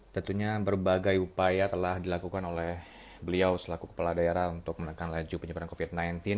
tentunya berbagai upaya telah dilakukan oleh beliau selaku kepala daerah untuk menekan laju penyebaran covid sembilan belas